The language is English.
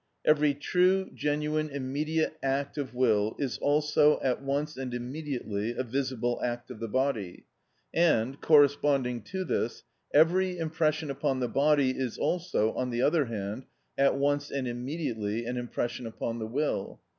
Every true, genuine, immediate act of will is also, at once and immediately, a visible act of the body. And, corresponding to this, every impression upon the body is also, on the other hand, at once and immediately an impression upon the will.